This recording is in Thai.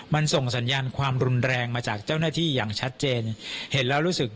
มันส่งสัญญาณความรุนแรงมาจากเจ้าหน้าที่อย่างชัดเจนเห็นแล้วรู้สึก